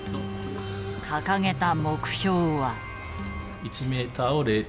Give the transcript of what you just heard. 掲げた目標は。